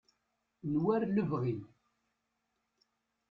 n war lebɣi